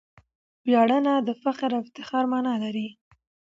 ویاړنه دفخر او افتخار مانا لري.